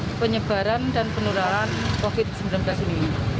untuk penyebaran dan penularan covid sembilan belas ini